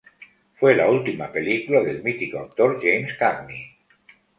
Fue la última película del mítico actor James Cagney.